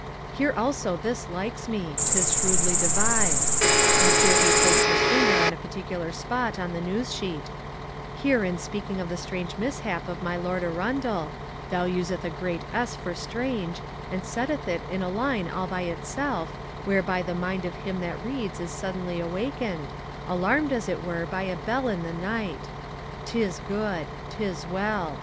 Here also this likes me, 'tis shrewdly devised," and here he placed his finger on a particular spot on the news sheet, "here in speaking of the strange mishap of my Lord Arundel, thou useth a great S for strange, and setteth it in a line all by itself whereby the mind of him that reads is suddenly awakened, alarmed as it were by a bell in the night. 'Tis good. 'Tis well.